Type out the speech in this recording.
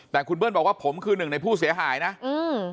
แต่คุณเบิ้ลบอกว่าผมคือหนึ่งในผู้เสียหายนะอืม